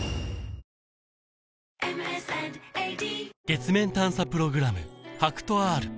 月面探査プログラム